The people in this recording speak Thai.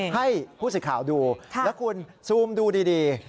ให้ผู้สิทธิ์ข่าวดูแล้วคุณซูมดูดี